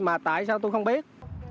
mà tại sao tôi không biết